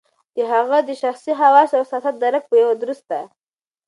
د هغه د شخصي خواصو او احساساتو درک په یوه درسته